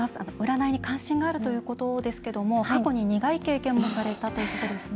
占いに関心があるということですけども過去に苦い経験もされたということですね。